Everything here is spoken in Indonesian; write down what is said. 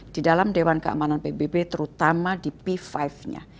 di dalam dewan keamanan pbb terutama di p lima nya